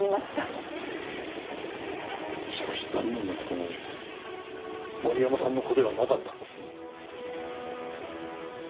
しかし残念な事に森山さんの子ではなかったんですね？